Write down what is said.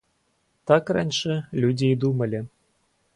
Так раньше люди и думали.